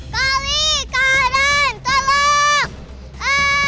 kali karan tolong